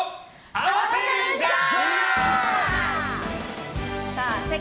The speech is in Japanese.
合わせルンジャー！